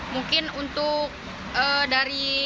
mungkin untuk dari